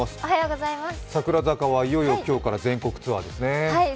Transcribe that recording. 櫻坂はいよいよ今日から全国ツアーですね。